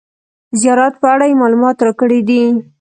زیارت په اړه یې معلومات راکړي دي.